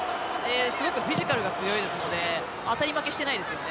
すごくフィジカルが強いですので当たり負けしていないですよね。